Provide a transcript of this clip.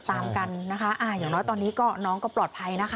อย่างน้อยตอนนี้น้องก็ปลอดภัยนะคะ